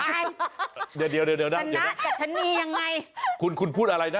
เดี๋ยวเดี๋ยวเดี๋ยวเดี๋ยวชะนะกับชะนียังไงคุณคุณพูดอะไรนะ